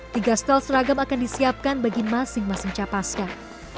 tiga setel seragam akan disiapkan bagi masing masing capaskan